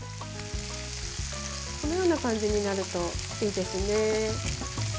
このような感じになるといいですね。